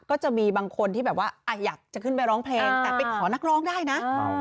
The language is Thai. ก็จะมีบางคนที่แบบว่าอยากจะขึ้นไปร้องเพลงแต่ไปขอนักร้องได้นะ